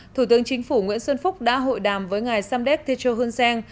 thủ tướng chính phủ nguyễn xuân phúc đã hội đàm với ngài samdek thecho hun sen